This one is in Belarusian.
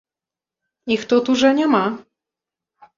Іх тут ужо няма.